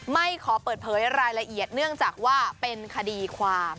ไม่ขอเปิดเผยรายละเอียดเนื่องจากว่าเป็นคดีความ